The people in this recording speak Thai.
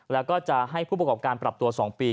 แล้วก็จะให้ผู้ประกอบการปรับตัว๒ปี